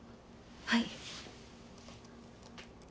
はい。